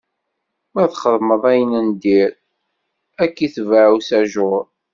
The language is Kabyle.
Ma txedmeḍ ayen n dir, Ad k-itbaɛ usajuṛ.